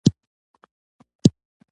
مالیه د ټولنې د پرمختګ لامل دی.